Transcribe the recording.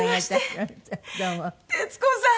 徹子さん。